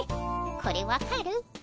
これ分かる？